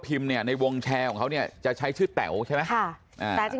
พิมพ์เนี่ยในวงแชร์ของเขาเนี่ยจะใช้ชื่อแต่วใช่ไหมค่ะแต่